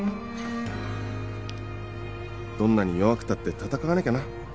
どんなに弱くたって戦わなきゃな。